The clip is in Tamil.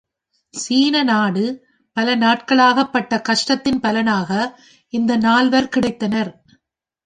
சீன நாடு பல நாட்களாகப்பட்ட கஷ்டத்தின் பலனாக இந்த நால்வர் கிடைத்தனர்.